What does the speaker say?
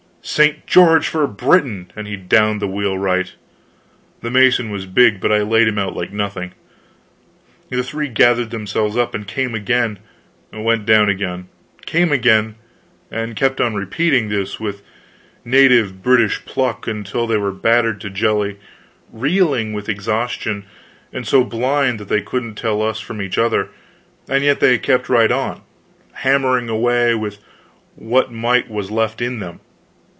"St. George for Britain!" and he downed the wheelwright. The mason was big, but I laid him out like nothing. The three gathered themselves up and came again; went down again; came again; and kept on repeating this, with native British pluck, until they were battered to jelly, reeling with exhaustion, and so blind that they couldn't tell us from each other; and yet they kept right on, hammering away with what might was left in them.